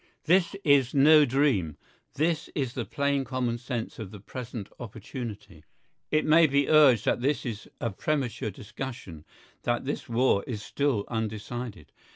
This is no dream. This is the plain common sense of the present opportunity. It may be urged that this is a premature discussion, that this war is still undecided.